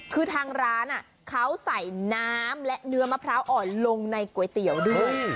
คือทางร้านเขาใส่น้ำและเนื้อมะพร้าวอ่อนลงในก๋วยเตี๋ยวด้วย